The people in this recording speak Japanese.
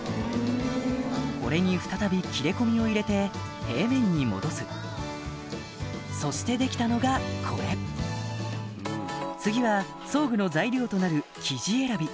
これに再び切れ込みを入れて平面に戻すそして出来たのがこれ次は装具の材料となる生地選び